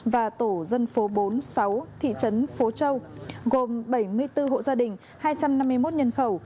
và tổ dân phố bốn sáu thị trấn phố châu gồm bảy mươi bốn hộ gia đình hai trăm năm mươi một nhân khẩu